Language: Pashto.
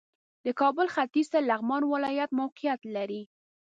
د کابل ختیځ ته لغمان ولایت موقعیت لري